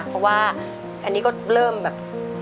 เพราะว่าอันนี้ก็เริ่มแบบ